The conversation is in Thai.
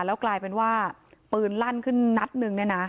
แล้วกลายเป็นว่าปืนลั่นขึ้นนัดนึงเนี่ยนะ